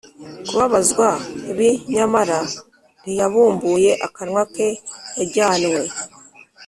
kubabazwa b nyamara ntiyabumbuye akanwa ke Yajyanywe